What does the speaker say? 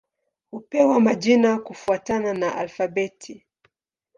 Hupewa majina kufuatana na alfabeti.